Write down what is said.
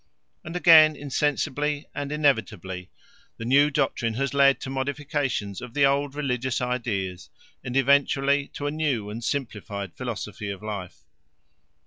And again, insensibly and inevitably, the new doctrine has led to modifications of the old religious ideas and eventually to a new and simplified philosophy of life.